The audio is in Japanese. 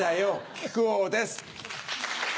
木久扇です！